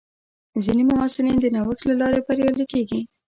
ځینې محصلین د نوښت له لارې بریالي کېږي.